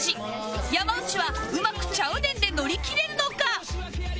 山内はうまく「ちゃうねん」で乗り切れるのか？